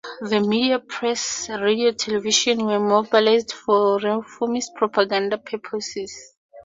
The media-press, radio, and television-were mobilized for reformist propaganda purposes.